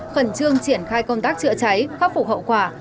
khẩn trương triển khai công tác chữa cháy khắc phục hậu quả